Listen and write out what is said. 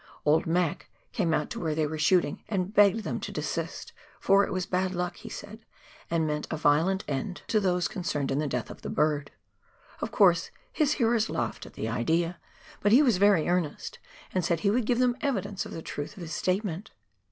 Old Mac came out to where they were shooting, and begged them to desist, for it was bad luck, he said, and meant a violent end to 148 PIONEER WORK IN THE ALPS OF NEW ZEALAND. those concerned in the death of the bird. Of course, his hearers laughed at the idea, but he was very earnest, and said he would give them evidence of the truth of his statement.